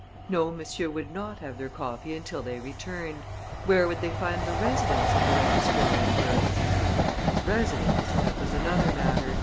No, messieurs would not have their coffee until they returned. Where would they find the residence of the registrar of births? His residence, that was another matter.